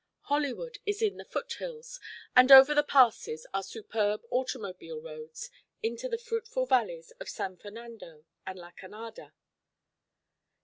Hollywood is in the foothills and over the passes are superb automobile roads into the fruitful valleys of San Fernando and La Canada.